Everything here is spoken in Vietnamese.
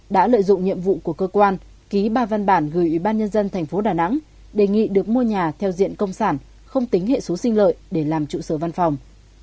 đã lợi dụng nhiệm vụ của cơ quan ký ba văn bản gửi ủy ban nhân dân thành phố đà nẵng đề nghị được mua nhà theo diện công sản không tính hệ số sinh lợi để làm trụ sở văn phòng